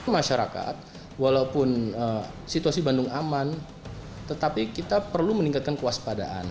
masyarakat walaupun situasi bandung aman tetapi kita perlu meningkatkan kewaspadaan